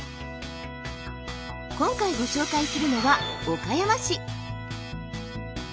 今回ご紹介するのは岡山市。